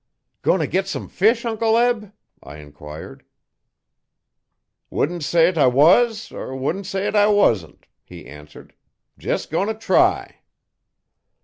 'Goin' t' git some fish, Uncle Eb?' I enquired. 'Wouldn't say't I was, er wouldn't say't I wasn't,' he answered. 'Jes goin' t' try.'